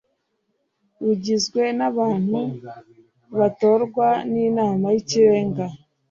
rugizwe n abantu batorwa n inama y ikirenga